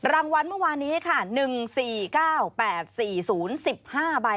รางวัลเมื่อวานนี้ค่ะ๑๔๙๘๔๐๑๕ใบ